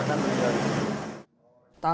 kita akan menjualnya